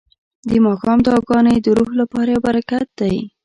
د ماښام دعاګانې د روح لپاره یو برکت دی.